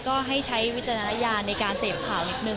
ก็ให้ใช้วิจารณญาณในการเสพข่าวนิดนึง